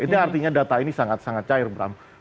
itu artinya data ini sangat sangat cair bram